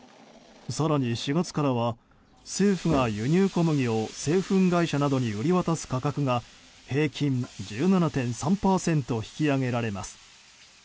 更に４月からは政府が輸入小麦を製粉会社などに売り渡す価格が平均１７．３％引き上げられます。